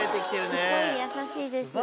すごい優しいです。